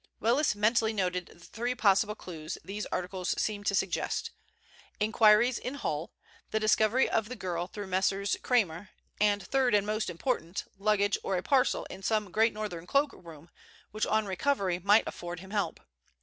Willis mentally noted the three possible clues these articles seemed to suggest; inquiries in Hull, the discovery of the girl through Messrs. Cramer, and third and most important, luggage or a parcel in some Great Northern cloakroom, which on recovery might afford him help.